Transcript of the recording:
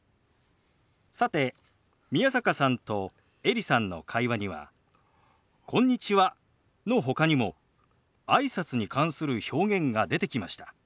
さて宮坂さんとエリさんの会話には「こんにちは」のほかにもあいさつに関する表現が出てきました。